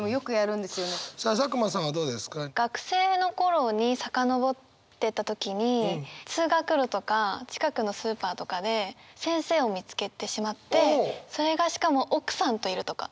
学生の頃に遡ってった時に通学路とか近くのスーパーとかで先生を見つけてしまってそれがしかも奥さんといるとか。